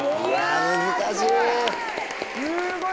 難しい！